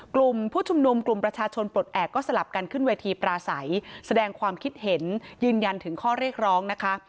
กลุ่มผู้ชุมนุมกลุ่มประชาชนปลดแอบก็สลับกันขึ้นเวทีปราศัยแสดงความคิดเห็นยืนยันถึงข้อเรียกร้องนะคะ